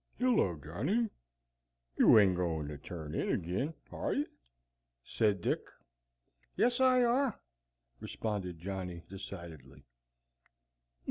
"Hello, Johnny! You ain't goin' to turn in agin, are ye?" said Dick. "Yes, I are," responded Johnny, decidedly.